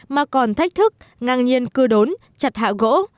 mà còn thách thức ngang nhiên cưa đốn chặt hạ gỗ